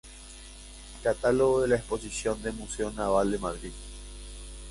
Catálogo de la exposición del Museo Naval de Madrid